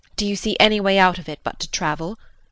Do you see any way out of it but to travel?